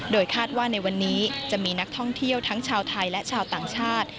โดยคาดว่าในวันนี้จะมีนักท่องเที่ยวทั้งชาวไทยและชาวต่างชาติ